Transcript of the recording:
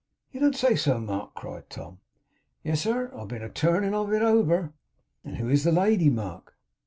'You don't say so, Mark!' cried Tom. 'Yes, sir. I've been a turnin' of it over.' 'And who is the lady, Mark?